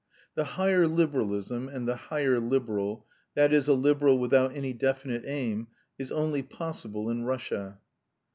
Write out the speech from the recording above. "The higher liberalism" and the "higher liberal," that is, a liberal without any definite aim, is only possible in Russia.